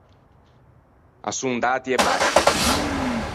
À son d’ati e basci.